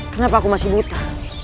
kenapa aku masih buta